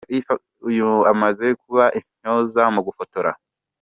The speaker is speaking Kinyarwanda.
Uyu amaze kuba intyoza mu gufotora.